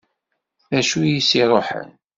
D acu i s-iruḥen?